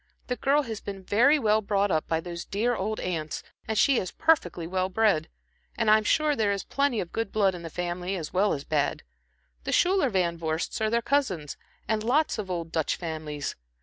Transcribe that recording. The girl has been very well brought up by those dear old aunts, and she is perfectly well bred. And I'm sure there is plenty of good blood in the family as well as bad. The Schuyler Van Vorsts are their cousins, and lots of old Dutch families.